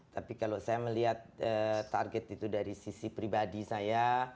tapi kalau saya melihat target itu dari sisi pribadi saya